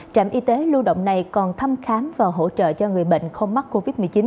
trạm y tế lưu động này còn thăm khám và hỗ trợ cho người bệnh không mắc covid một mươi chín